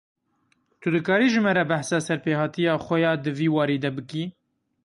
Tu dikarî ji me re behsa serpêhatiya xwe ya di vî warî de bikî ?